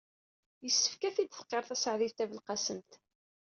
Yessefk ad t-id-tqirr Taseɛdit Tabelqasemt.